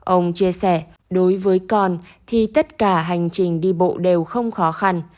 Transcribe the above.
ông chia sẻ đối với con thì tất cả hành trình đi bộ đều không khó khăn